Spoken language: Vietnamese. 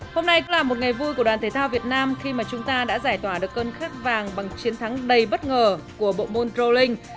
hôm nay cũng là một ngày vui của đoàn thể thao việt nam khi mà chúng ta đã giải tỏa được cơn khát vàng bằng chiến thắng đầy bất ngờ của bộ môn rolling